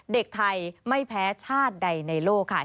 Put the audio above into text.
เด็กไทยไม่แพ้ชาติใดในโลกค่ะ